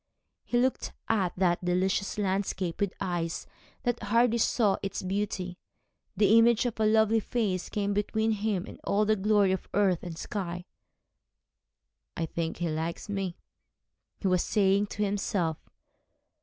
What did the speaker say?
He looked at that delicious landscape with eyes that hardly saw its beauty. The image of a lovely face came between him and all the glory of earth and sky. 'I think she likes me,' he was saying to himself.